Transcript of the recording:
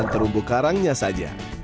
tanpa terumbu karangnya saja